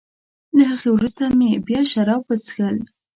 له هغه وروسته مې بیا شراب وڅېښل.